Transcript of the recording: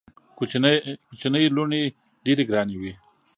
کوچنۍ لوڼي ډېري ګراني وي.